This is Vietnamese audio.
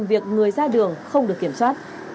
việc người ra đường không được kiểm soát